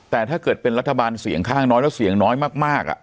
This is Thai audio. แต่ถ้าเกิดเป็นรัฐบาลเสียงข้างน้อยแล้วเสียงน้อยมาก